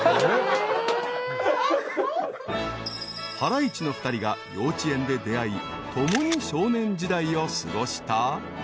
［ハライチの２人が幼稚園で出会い共に少年時代を過ごした］